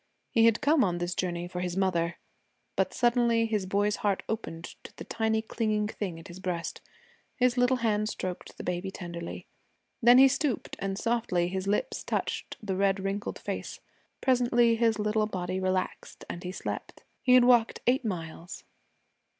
He had come on this journey for his mother, but suddenly his boy's heart opened to the tiny clinging thing at his breast. His little hand stroked the baby tenderly. Then he stooped, and softly his lips touched the red wrinkled face. Presently his little body relaxed and he slept. He had walked eight miles.